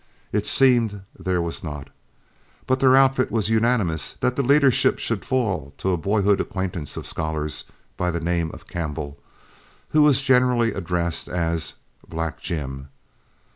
It seemed there was not, but their outfit was unanimous that the leadership should fall to a boyhood acquaintance of Scholar's by the name of Campbell, who was generally addressed as "Black" Jim.